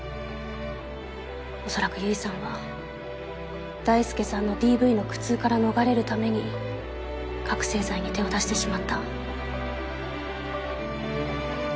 おそらく結衣さんは大輔さんのＤＶの苦痛から逃れるために覚せい剤に手を出してしまった。